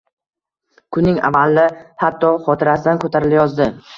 — kunning avvali hatto xotirasidan ko‘tarilayozdi.